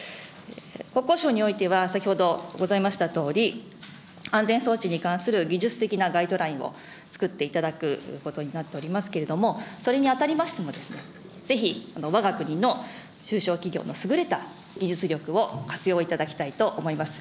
国交省においては、先ほどございましたとおり、安全装置に関する技術的なガイドラインをつくっていただくことになっておりますけれども、それにあたりましても、ぜひわが国の中小企業の優れた技術力を活用いただきたいと思います。